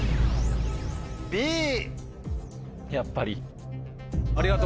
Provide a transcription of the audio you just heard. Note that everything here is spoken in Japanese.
やっぱり。